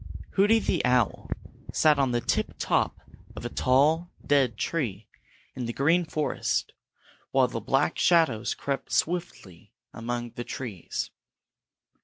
Hooty the owl sat on the tip top of a tall dead tree in the Green Forest while the Black Shadows crept swiftly among the trees.